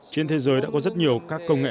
trên thế giới đã có rất nhiều các công nghệ